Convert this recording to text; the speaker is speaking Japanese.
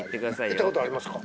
行ったことありますか？